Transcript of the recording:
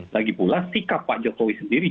lagi pula sikap pak jokowi sendiri